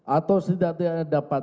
atau setidaknya dapat